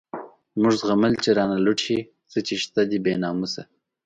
موږ زغمل چی رانه لوټ شی، څه چی شته دی بی ناموسه